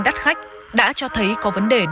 đắt khách đã cho thấy có vấn đề